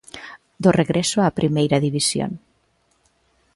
Do regreso a Primeira División.